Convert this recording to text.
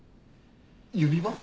指輪？